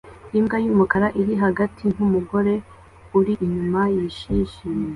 Imbwa yumukara iri hagati nkumugore uri inyuma yishimye